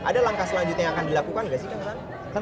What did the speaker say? ada langkah selanjutnya yang akan dilakukan gak sih